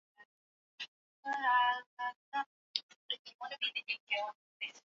Kampuni mawasiliano inayomilikiwa na serikali ya Tanzania imeweka mtandao wa broadband